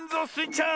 ちゃん！